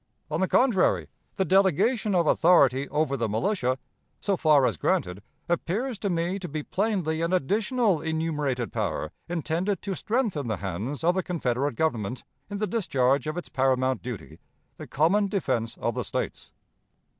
On the contrary, the delegation of authority over the militia, so far as granted, appears to me to be plainly an additional enumerated power intended to strengthen the hands of the Confederate Government in the discharge of its paramount duty, the common defense of the States.